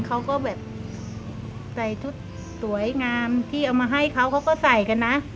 เขาก็แบบใส่ชุดสวยงามที่เอามาให้เขาเขาก็ใส่กันนะ